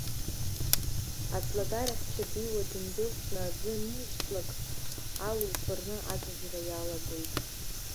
Аӡлагарахьча дыҩуа дындәылҵны аӡы анишьҭлак, алу ԥырны агьежьра иалагоит.